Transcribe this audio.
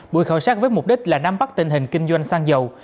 buổi khảo sát với mục đích là nắm bắt tình hình kinh doanh xăng dầu